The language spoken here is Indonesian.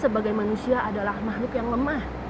sebagai manusia adalah makhluk yang lemah